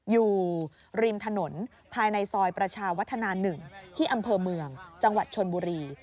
อยู่ริมถนนภายในซอยประชาวัฒนา๑ที่อำเภอเมืองจังหวัดชนบุรี